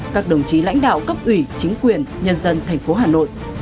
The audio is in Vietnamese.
các đồng chí lãnh đạo cấp ủy chính quyền nhân dân thành phố hà nội